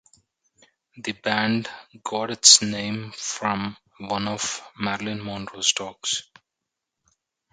The band got its name from one of Marilyn Monroe’s dogs.